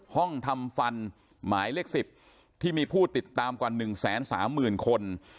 ห้องทำฟันหมายเลขสิบที่มีผู้ติดตามกว่าหนึ่งแสนสามหมื่นคน